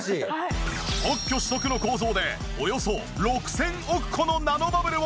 特許取得の構造でおよそ６千億個のナノバブルを発生！